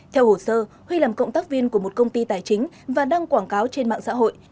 theo hồ sơ huy làm cộng tác viên của một công ty tài chính và đăng quảng cáo trên mạng xã hội